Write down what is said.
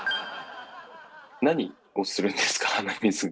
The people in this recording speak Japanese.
何をするんですか鼻水が。